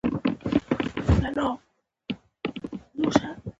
غوماشې په دوبي کې ډېرې زیاتې وي.